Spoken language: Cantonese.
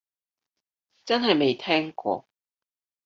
真係未聽過